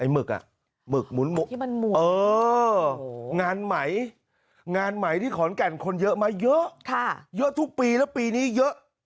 มึกมุนหมวกงานใหม่ที่ขอนแก่นคนเยอะมาเยอะทุกปีและปีนี้เยอะ